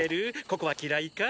ここは嫌いか？